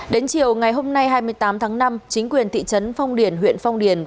đến chiều ngày hôm nay hai mươi tám tháng năm chính quyền thị trấn phong điền huyện phong điền